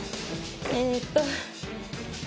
えっとソ。